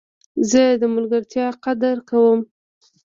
زه د ملګرتیا قدر کوم.